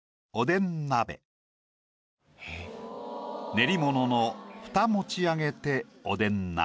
「練り物の蓋持ち上げておでん鍋」。